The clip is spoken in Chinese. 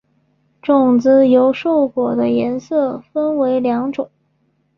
种子由瘦果的颜色分成两种。